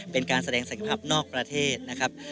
เป็นการแสดงศักยภาพนอกประเทศนะครับ